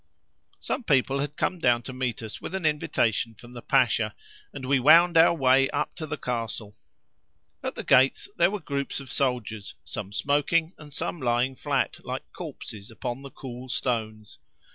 Some people had come down to meet us with an invitation from the Pasha, and we wound our way up to the castle. At the gates there were groups of soldiers, some smoking, and some lying flat like corpses upon the cool stones.